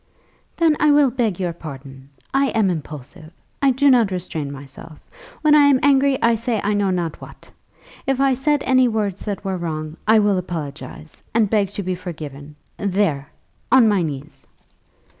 "Then I will beg your pardon. I am impulsive. I do not restrain myself. When I am angry I say I know not what. If I said any words that were wrong, I will apologize, and beg to be forgiven, there, on my knees."